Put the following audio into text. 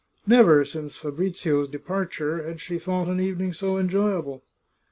Never, since Fabrizio's de parture, had she thought an evening so enjoyable.